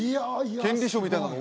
権利書みたいなの？